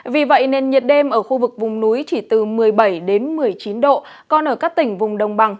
vì vậy nền nhiệt đêm ở khu vực vùng núi chỉ từ một mươi bảy một mươi chín độ còn ở các tỉnh vùng đồng bằng